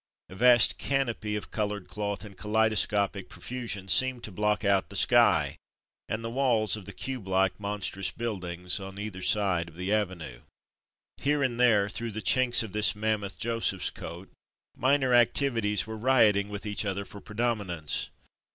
A vast canopy of coloured cloth in kaleido scopic profusion seemed to block out the sky, and the walls of the cube like, mon strous buildings on either side of the avenue. Here and there, through the chinks of this mammoth Joseph^s coat, minor activities were rioting with each other for predomi nance.